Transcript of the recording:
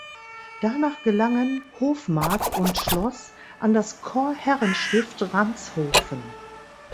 Danach gelangen Hofmark und Schloss an das Chorherrenstift Ranshofen.